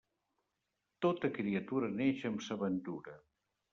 Tota criatura neix amb sa ventura.